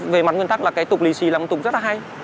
về mặt nguyên tắc là cái tục lì xì là một tục rất là hay